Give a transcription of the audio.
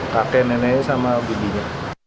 kakek neneknya sama budinya